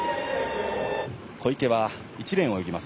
小池は１レーンを泳ぎます。